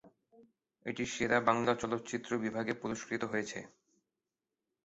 এটি সেরা বাংলা চলচ্চিত্র বিভাগে পুরস্কৃত হয়েছে।